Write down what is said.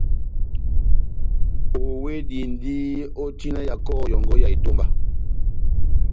Owedindi ó tina ya kɔhɔ yɔ́ngɔ ya etomba